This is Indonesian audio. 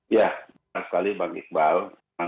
ya terima kasih sekali pak iqbal